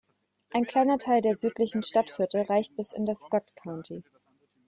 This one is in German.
Ein kleiner Teil der südlichen Stadtviertel reicht bis in das Scott County.